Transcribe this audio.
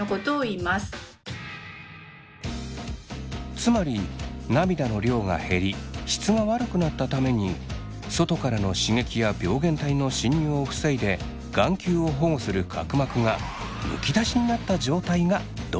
つまり涙の量が減り質が悪くなったために外からの刺激や病原体の侵入を防いで眼球を保護する角膜がむき出しになった状態がドライアイ。